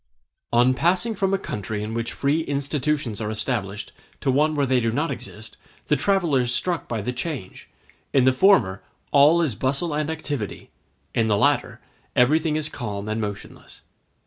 On passing from a country in which free institutions are established to one where they do not exist, the traveller is struck by the change; in the former all is bustle and activity, in the latter everything is calm and motionless.